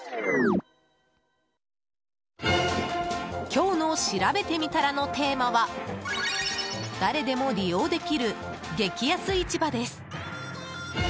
今日のしらべてみたらのテーマは誰でも利用できる激安市場です。